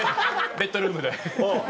ベッドルームで。